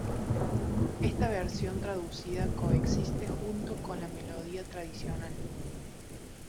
Esta versión traducida coexiste junto con la melodía tradicional.